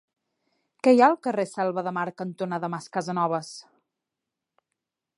Què hi ha al carrer Selva de Mar cantonada Mas Casanovas?